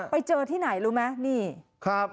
ไปเจอที่ไหนรู้ไหม